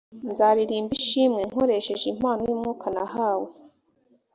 nzaririmba ishimwe nkoresheje impano y’ umwuka nahawe